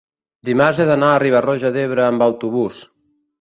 dimarts he d'anar a Riba-roja d'Ebre amb autobús.